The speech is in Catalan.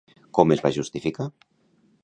Com es va justificar?